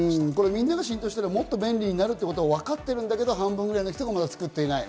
みんなが浸透したらもっと便利になるってわかってるんだけれども半分くらいの人がまだ作っていない？